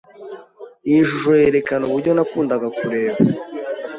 Iyi shusho yerekana uburyo nakundaga kureba.